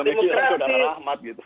nah ini yang diprotos